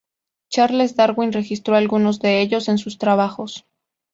Charles Darwin registró algunos de ellos en sus trabajos.